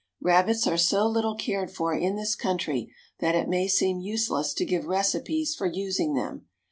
Rabbits are so little cared for in this country that it may seem useless to give recipes for using them.